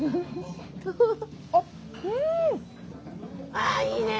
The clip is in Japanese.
ああいいね！